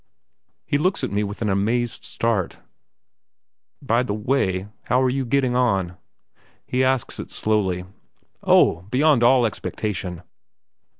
He looks at me with an amazed start. "By the way, how are you getting on?" He asks it slowly. "Oh, beyond all expectation!"